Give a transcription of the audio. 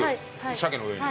鮭の上に。